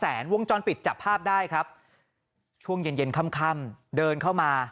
วงจรปิดจับภาพได้ครับช่วงเย็นเย็นค่ำเดินเข้ามา